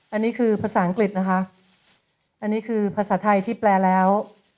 อันนี้คือภาษาอังกฤษนะคะอันนี้คือภาษาไทยที่แปลแล้ว